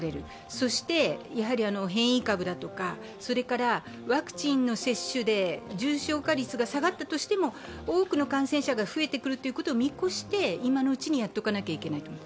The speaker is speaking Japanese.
そして、変異株だとか、ワクチンの接種で重症化率が下がったとしても、多くの感染者が増えてくるということを見越して、今のうちにやっておかなきゃいけないと思う。